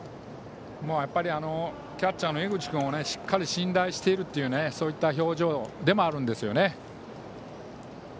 キャッチャーの江口君をしっかり信頼しているというそういった表情でもあるんですね。